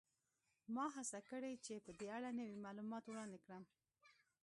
ما هڅه کړې چې په دې اړه نوي معلومات وړاندې کړم